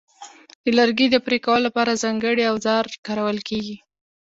د لرګي د پرې کولو لپاره ځانګړي اوزار کارول کېږي.